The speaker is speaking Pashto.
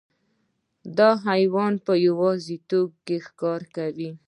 دا حیوان په یوازیتوب کې ښکار کوي.